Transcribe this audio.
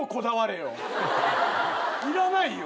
いらないよ。